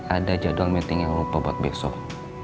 ada jadwal meeting yang lopo buat besok